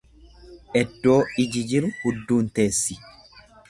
Eddoo iji jiru hudduun teessi.